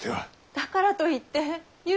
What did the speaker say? だからといってゆうを。